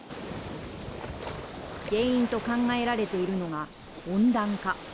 原因と考えられているのが、温暖化。